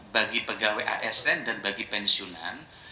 bagi pegawai asn dan bagi pensiunan